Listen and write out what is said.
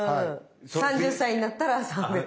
３０歳になったら３００円。